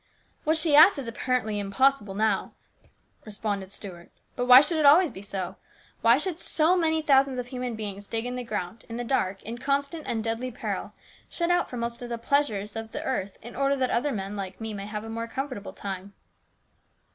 "" What she asks is apparently impossible now," responded Stuart, " but why should it always be so ? Why should so many thousands of human beings dig in the ground, in the dark, in constant and deadly peril, shut out from most of the pleasures of the 20 306 HIS BROTHER'S KEEPER. earth, in order that other men like me may have a more comfortable time